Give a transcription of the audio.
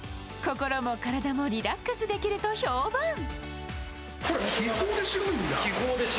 心も体もリラックスできると評判。